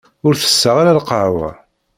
Ur tesseɣ ara lqahwa.